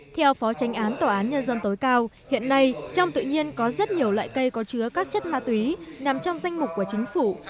theo phó tranh án tòa án nhân dân tối cao hiện nay trong tự nhiên có rất nhiều loại cây có chứa các chất ma túy nằm trong danh mục của chính phủ